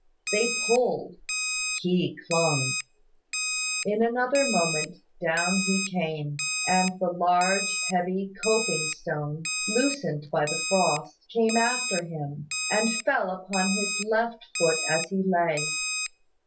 They pulled: he clung. In another moment, down he came, and the large, heavy coping stone, loosened by the frost, came after him, and fell upon his left foot as he lay.